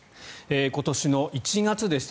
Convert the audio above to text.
今年の１月でした。